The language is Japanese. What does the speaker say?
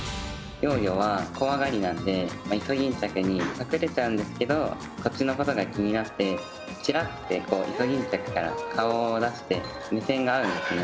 幼魚は怖がりなんでイソギンチャクに隠れちゃうんですけどこっちのことが気になってチラってイソギンチャクから顔を出して目線が合うんですね。